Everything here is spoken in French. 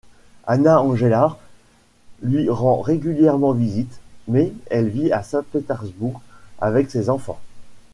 Anna Engelhardt lui rend régulièrement visite, mais elle vit à Saint-Pétersbourg avec ses enfants.